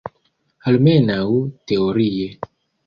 Almenaŭ teorie.